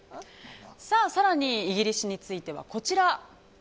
更にイギリスについてはこちら。